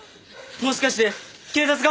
もしかして警察かも。